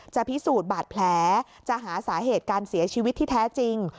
พิสูจน์บาดแผลจะหาสาเหตุการเสียชีวิตที่แท้จริง